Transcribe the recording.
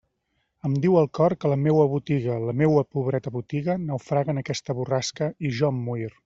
Em diu el cor que la meua botiga, la meua pobreta botiga, naufraga en aquesta borrasca, i jo em muir.